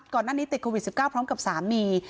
ก่อนหน้านี้ติดโควิด๑๙พร้อมกับสามี